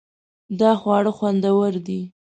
دا خواړه خوندور دي